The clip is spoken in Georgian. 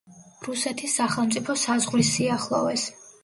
რუსეთის სახელმწიფო საზღვრის სიახლოვეს.